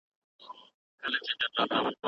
که وېره لرئ نو په ځان د باور ښکارندویي وکړئ.